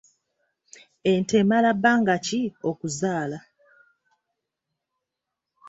Ente emala bbanga ki okuzaala?